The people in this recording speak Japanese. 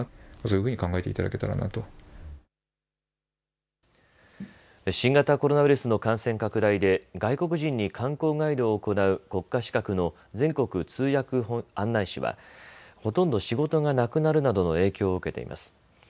新型コロナウイルスの感染拡大で外国人に観光ガイドを行う国家資格の全国通訳案内士はほとんど仕事がなくなるなどの影響を受けています。